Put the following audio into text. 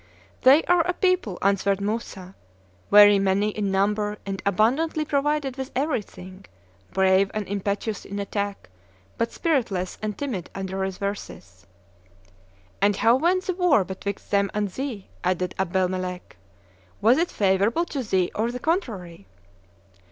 "They are a people," answered Moussa, "very many in number and abundantly provided with everything, brave and impetuous in attack, but spiritless and timid under reverses." "And how went the war betwixt them and thee?" added Abdelmelek: "was it favorable to thee or the contrary?"